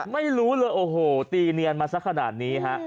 ไม่รู้เลยโอ้โหตีเนียนมาสักขนาดนี้ฮะ